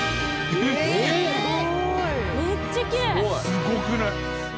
すごくない？